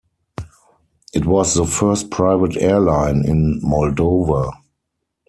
It was the first private airline in Moldova.